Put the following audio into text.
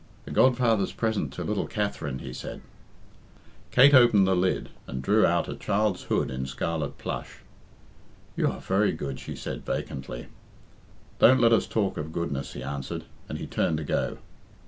"The godfather's present to little Katherine," he said. Kate opened the lid, and drew out a child's hood in scarlet plush. "You are very good," she said vacantly. "Don't let us talk of goodness," he answered; and he turned to go.